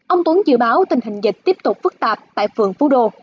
ông tuấn dự báo tình hình dịch tiếp tục phức tạp tại phường phú đô